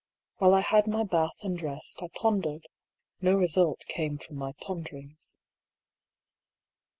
While I had my bath and dressed I pondered. No result came from my ponderings.